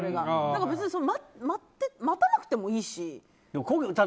別に待たなくてもいいし。